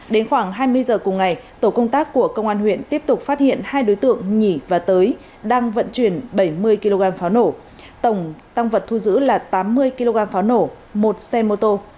đến khoảng hai mươi giờ cùng ngày tổ công tác của công an huyện tiếp tục phát hiện hai đối tượng nhỉ và tới đang vận chuyển bảy mươi kg pháo nổ tổng tăng vật thu giữ là tám mươi kg pháo nổ một xe mô tô